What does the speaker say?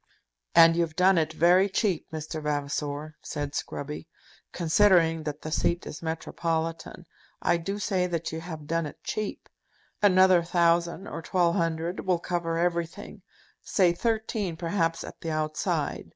"And you've done it very cheap, Mr. Vavasor," said Scruby, "considering that the seat is metropolitan. I do say that you have done it cheap. Another thousand, or twelve hundred, will cover everything say thirteen, perhaps, at the outside.